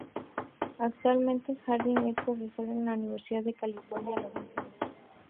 Actualmente, Harding es profesora en la Universidad de California, Los Ángeles.